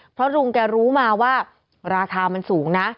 เพราะลุงแกรู้มาว่าราคามันสูงนะ